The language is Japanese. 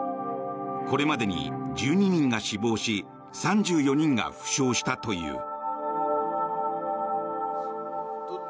これまでに１２人が死亡し３４人が負傷したという。